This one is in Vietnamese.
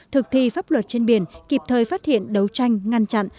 thực thi pháp luật trên biển kịp thời phát hiện đấu tranh ngăn chặn